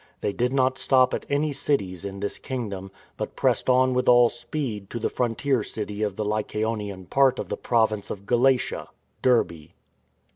They did not stop at any cities in this kingdom, but pressed on with all speed to the frontier city of the Lycaonian part of the Province of Galatia — Derbe.